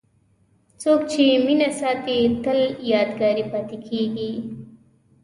څوک چې مینه ساتي، تل یادګاري پاتې کېږي.